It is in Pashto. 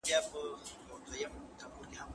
هیوادونه کله د فردي مالکیت حق ورکوي؟